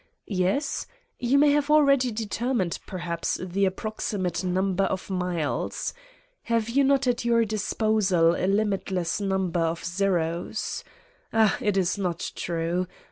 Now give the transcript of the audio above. Yes ? You may have already determined, perhaps, the approximate number of miles. Have you not at your disposal a limitless number of zeros? Ah, it is not true.